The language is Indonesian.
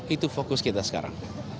itu fokus kita sekarang